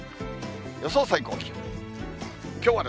予想最高気温。